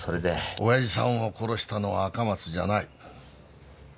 おやじさんを殺したのは赤松じゃない。